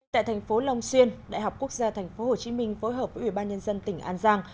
tại thành phố long xuyên đại học quốc gia tp hcm phối hợp với ủy ban nhân dân tỉnh an giang